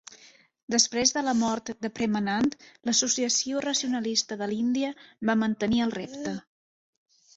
Després de la mort de Premanand, l'Associació Racionalista de l'Índia va mantenir el repte.